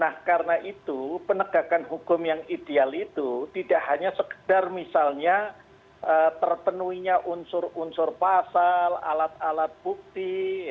nah karena itu penegakan hukum yang ideal itu tidak hanya sekedar misalnya terpenuhinya unsur unsur pasal alat alat bukti